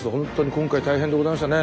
今回大変でございましたね。